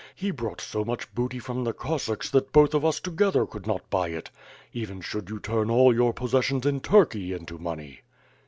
He brought so much booty from the Cossacks that both of us together could net buy it, even should you turn all your possessions in Turkey into money."